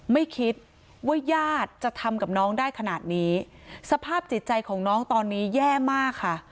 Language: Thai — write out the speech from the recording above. ไม่คิดว่าญาติจะทำกับน้องได้ขนาดนี้สภาพจิตใจของน้องตอนนี้แย่มากค่ะ